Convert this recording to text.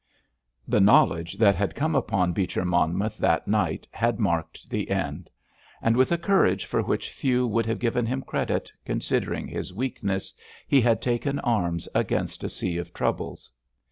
The knowledge that had come upon Beecher Monmouth that night had marked the end. And with a courage for which few would have given him credit, considering his weakness, he had taken arms against a sea of troubles.